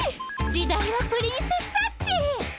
「時代はプリンセスサッチー！」。